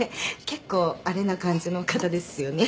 結構あれな感じの方ですよね。